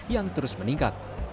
yang terus meningkat